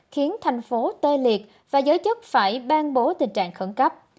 khiến thành phố tê liệt và giới chức phải ban bố tình trạng khẩn cấp